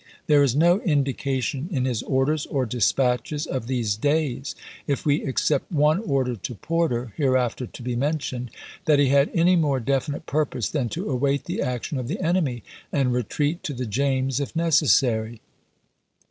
There is no indication in his orders or dispatches of these days — if we except one order to Porter, hereafter to be mentioned — that he had any more definite purpose than to await the action of the enemy, and retreat to the James if neces sary.